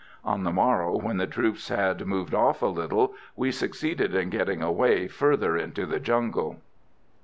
"On the morrow, when the troops had moved off a little, we succeeded in getting away further into the jungle...."